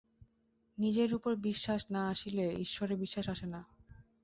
নিজের উপর বিশ্বাস না আসিলে ঈশ্বরে বিশ্বাস আসে না।